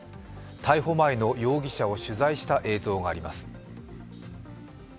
逮捕前の容疑者を取材した映像があります。